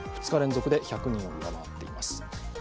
２日連続で１００人を上回っています。